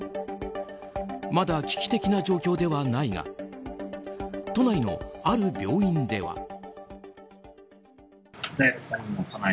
まだ危機的な状況ではないが都内の、ある病院では。